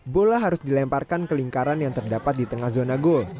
bola harus dilemparkan ke lingkaran yang terdapat di tengah zona gol